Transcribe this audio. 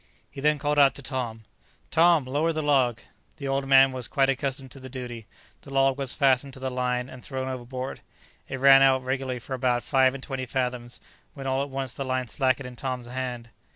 He then called out to Tom, "Tom, lower the log!" The old man was quite accustomed to the duty. The log was fastened to the line and thrown overboard. It ran out regularly for about five and twenty fathoms, when all at once the line slackened in Tom's hand.